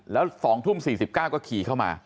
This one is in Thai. แล้ว๒ทุ่ม๔๙ก็ขี่เข้ามา